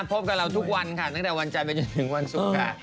พบกับเราทุกวันค่ะตั้งแต่วันจันทร์ไปจนถึงวันศุกร์ค่ะ